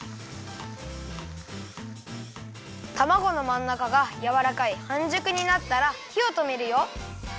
たまごのまんなかがやわらかいはんじゅくになったらひをとめるよ。